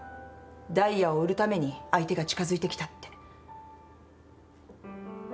ダイヤを売るために相手が近づいてきたって。